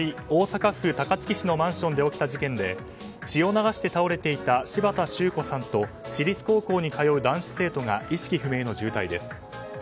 大阪府高槻市のマンションで起きた事件で血を流して倒れていた柴田周子さんと私立高校に通う男子生徒が意識不明の重体です。